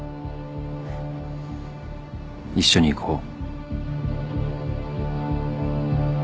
一緒に行こう。